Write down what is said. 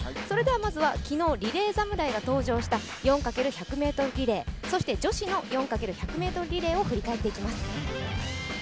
まずは昨日リレー侍が登場した４×１００ｍリレー、そして女子の４×４００ｍリレーを振り返っていきます。